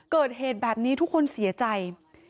เกิดเหตุแบบนี้ทุกคนเสียใจ